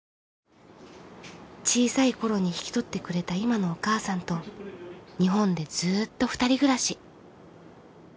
小さい頃に引き取ってくれた今のお母さんと日本でずっと２人暮らし。